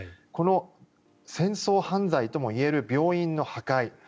この戦争犯罪ともいえる病院の破壊